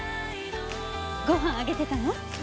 ごはんあげてたの？